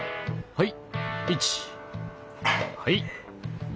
はい。